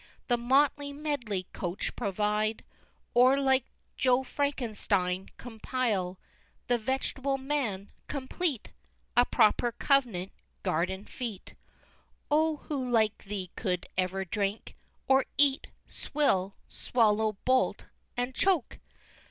The motley, medley coach provide Or like Joe Frankenstein compile The vegetable man complete! A proper Covent Garden feat! XIX. Oh, who like thee could ever drink, Or eat, swill, swallow bolt and choke!